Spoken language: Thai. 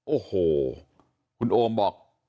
โอ้โหคุณโอมบอก